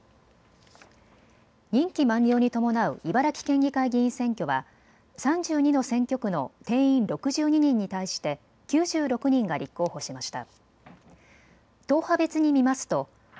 任期満了に伴う茨城県議会議員選挙は３２の選挙区の定員６２人に対して９６人が立候補しました。